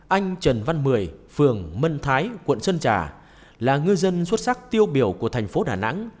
anh trần văn mười phường mân thái quận sơn trà là ngư dân xuất sắc tiêu biểu của thành phố đà nẵng